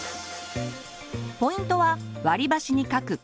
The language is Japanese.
ポイントは割り箸にかく黒い丸。